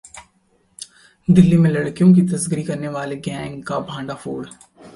दिल्ली में लड़कियों की तस्करी करने वाले गैंग का भंडाफोड़